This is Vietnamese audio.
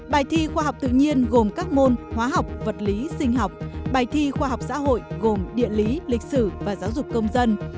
bài thi khoa học tự nhiên gồm các môn hóa học vật lý sinh học bài thi khoa học xã hội gồm địa lý lịch sử và giáo dục công dân